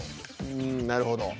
うんなるほど。